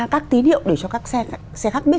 các tín hiệu để cho các xe khác biết